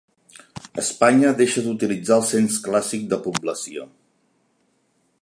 Espanya deixa d'utilitzar el cens clàssic de població.